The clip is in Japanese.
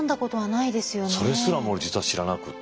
それすらも実は知らなくって。